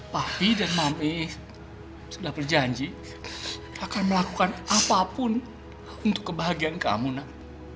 papi dan mami sudah berjanji akan melakukan apapun untuk kebahagiaan kamu nak